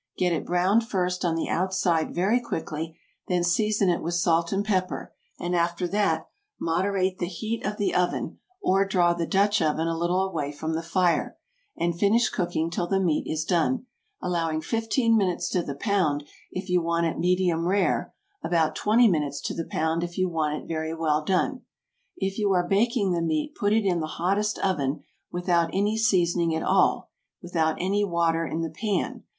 Get it browned first on the outside very quickly, then season it with salt and pepper, and after that moderate the heat of the oven, or draw the Dutch oven a little away from the fire, and finish cooking till the meat is done, allowing fifteen minutes to the pound if you want it medium rare, about twenty minutes to the pound if you want it very well done. If you are baking the meat put it in the hottest oven, without any seasoning at all, without any water in the pan.